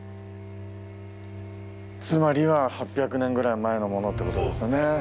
つまりは８００年ぐらい前のものってことですよね。